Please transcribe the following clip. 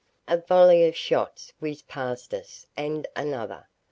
A volley of shots whizzed past us, and another.